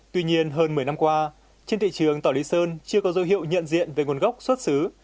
tuy nhiên hơn một mươi năm qua trên thị trường tỏ lý sơn chưa có dấu hiệu nhận diện về nguồn gốc xuất xứ